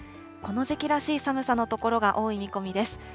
この時期らしい寒さの所が多い見込みです。